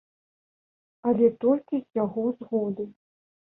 Але толькі з яго згоды.